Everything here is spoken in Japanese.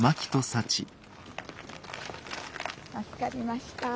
助かりました。